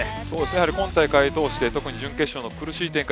やはり今大会を通して特に準決勝の苦しい展開